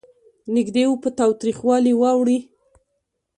نېږدې و په تاوتریخوالي واوړي.